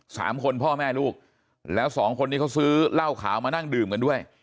สามคนพ่อแม่ลูกแล้วสองคนนี้เขาซื้อเหล้าขาวมานั่งดื่มกันด้วย